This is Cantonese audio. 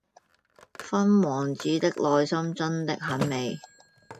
勳王子的內心真的很美